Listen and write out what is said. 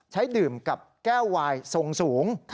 ใช้ดื่มกับแก้วไวล์ทรงสูง